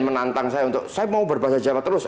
menantang saya untuk saya mau berbahasa jawa terus